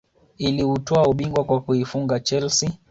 Iliutwaa ubingwa kwa kuifunga chelsea